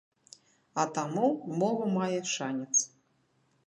А таму мова мае шанец.